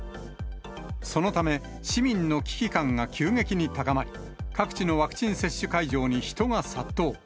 そのため、市民の危機感が急激に高まり、各地のワクチン接種会場に人が殺到。